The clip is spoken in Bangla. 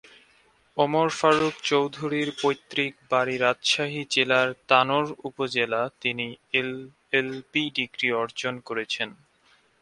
ওমর ফারুক চৌধুরীর পৈতৃক বাড়ি রাজশাহী জেলার তানোর উপজেলা তিনি এলএলবি ডিগ্রি অর্জন করেছেন।